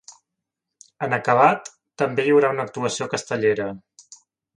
En acabat, també hi haurà una actuació castellera.